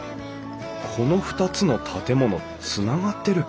この２つの建物つながってる。